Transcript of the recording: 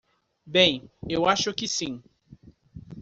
Bem, eu acho que sim.